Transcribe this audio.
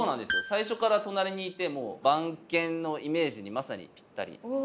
最初から隣にいてもう番犬のイメージにまさにぴったりですね。